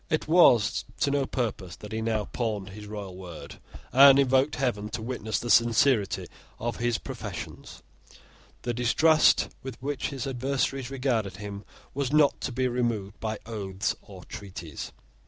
It was to no purpose that he now pawned his royal word, and invoked heaven to witness the sincerity of his professions. The distrust with which his adversaries regarded him was not to be removed by oaths or treaties.